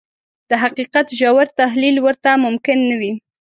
د حقيقت ژور تحليل ورته ممکن نه وي.